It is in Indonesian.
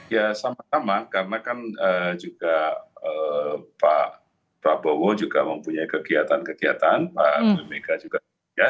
ya sama sama karena kan juga pak prabowo juga mempunyai kegiatan kegiatan pak bumega juga